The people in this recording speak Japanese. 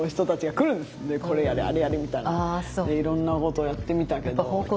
いろんなことやってみたけど。